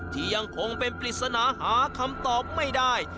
ยังคงเป็นปริศนาหาคำตอบไม่ได้